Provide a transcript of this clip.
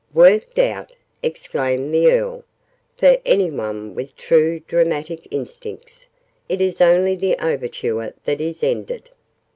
"Worked out!" exclaimed the Earl. "For any one with true dramatic instincts, it is only the Overture that is ended!